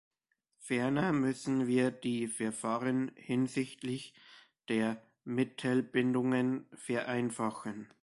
Ferner müssen wir die Verfahren hinsichtlich der Mittelbindungen vereinfachen.